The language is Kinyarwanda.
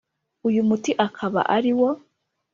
uyu muti akaba ariwo